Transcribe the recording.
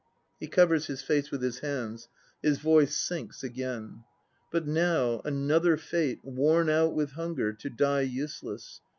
(He covers his face with his hands; his voice sinks again.) But now, another fate, worn out with hunger To die useless.